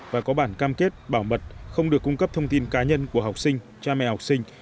và có bản cam kết bảo mật không được cung cấp thông tin cá nhân của học sinh cha mẹ học sinh